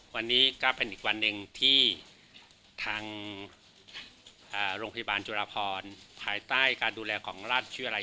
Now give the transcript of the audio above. วันนี้ก็เป็นอีกวันหนึ่งที่ทางโรงพยาบาลจุฬาพรภายใต้การดูแลของราชชื่ออะไร